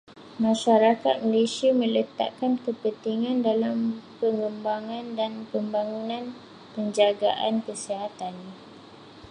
Masyarakat Malaysia meletakkan kepentingan dalam pengembangan dan pembangunan penjagaan kesihatan.